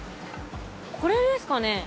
これですかね。